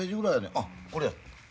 あっこれや。